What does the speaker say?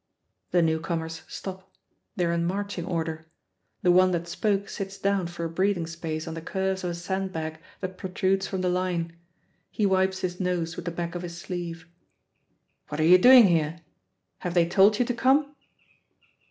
The newcomers stop. They are in marching order. The one that spoke sits down for a breathing space on the curves of a sand bag that protrudes from the line. He wipes his nose with the back of his sleeve. "What are you doing here? Have they told you to come?"